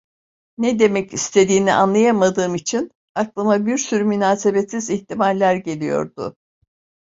Ne demek istediğini anlayamadığım için, aklıma bir sürü münasebetsiz ihtimaller geliyordu.